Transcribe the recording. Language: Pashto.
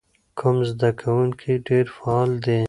کوم زده کوونکی ډېر فعال دی؟